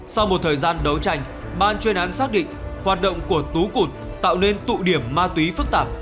sau một thời gian đấu tranh ban chuyên án xác định hoạt động của tú cụt tạo nên tụ điểm ma túy phức tạp